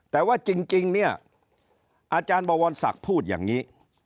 แต่ว่าจริงเนี่ยอาจารย์บวรศักดิ์พูดอย่างนี้